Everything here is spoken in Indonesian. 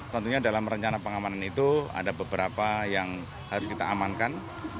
tentunya dalam rencana pengamanan itu ada beberapa yang harus kita amankan